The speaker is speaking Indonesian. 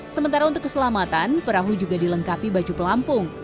sementara untuk keselamatan perahu juga dilengkapi baju pelampung